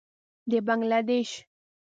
د بنګله دېش.